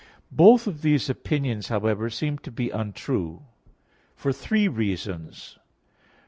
Both of these opinions, however, seem to be untrue for three reasons.